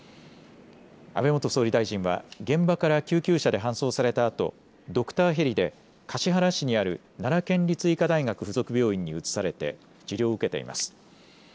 安倍元総理大臣は現場から救急車で搬送されたあとドクターヘリで橿原市にある奈良県立医科大学附属病院に移されて治療を受けています。